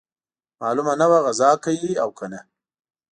معلومه نه وه غزا کوي او کنه.